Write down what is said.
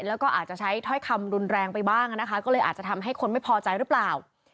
แล้วก็อาจจะใช้ถ้อยคำรุนแรงไปบ้างนะคะก็เลยอาจจะทำให้คนไม่พอใจหรือเปล่า